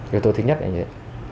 yếu tố thứ nhất là như vậy